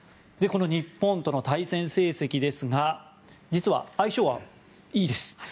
日本との対戦成績ですが実は相性はいいです。